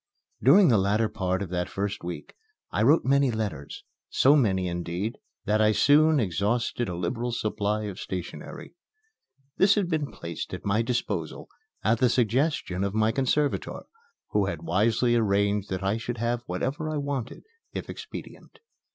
During the latter part of that first week I wrote many letters, so many, indeed, that I soon exhausted a liberal supply of stationery. This had been placed at my disposal at the suggestion of my conservator, who had wisely arranged that I should have whatever I wanted, if expedient.